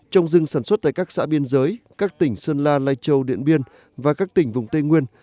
trồng rừng sản xuất tại các xã biên giới các tỉnh sơn la lai châu điện biên và các tỉnh vùng tây nguyên